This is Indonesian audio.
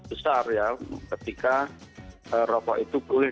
besar ya ketika rokok itu pulih